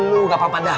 lo gak apa apa dah